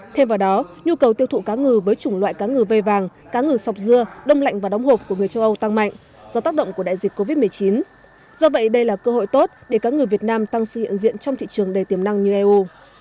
thêm vào đó nhu cầu tiêu thụ cá ngừ với chủng loại cá ngừ vây vàng cá ngừ sọc dưa đông lạnh và đóng hộp của người châu âu tăng mạnh do tác động của đại dịch covid một mươi chín do vậy đây là cơ hội tốt để cá ngừ việt nam tăng sự hiện diện trong thị trường đầy tiềm năng như eu